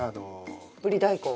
ぶり大根？